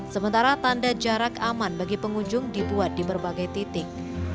sementara tanda jarak aman bagi pengunjung dibuat di berbagai titik